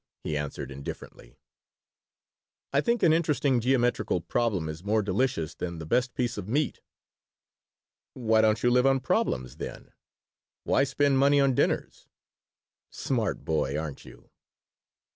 he answered, indifferently "I think an interesting geometrical problem is more delicious than the best piece of meat." "Why don't you live on problems, then? Why spend money on dinners?" "Smart boy, aren't you?"